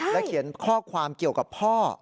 เขียนข้อความเกี่ยวกับพ่อ